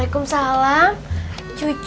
yaudah tuh masuk ya